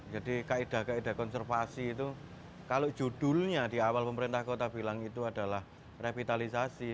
jadi kaedah kaedah konservasi itu kalau judulnya di awal pemerintah kota bilang itu adalah revitalisasi